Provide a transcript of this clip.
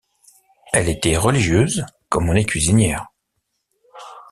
Elle était religieuse comme on est cuisinière.